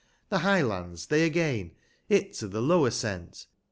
The High lands they again, it to the lower sent.